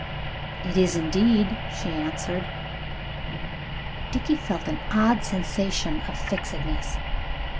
"It is indeed," she answered. Dickie felt an odd sensation of fixedness.